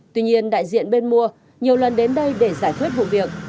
tuy nhiên đại diện bên mua nhiều lần đến đây để giải quyết vụ việc